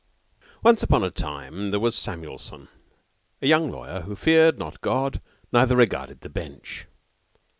Once upon a time there was Samuelson, a young lawyer, who feared not God, neither regarded the Bench.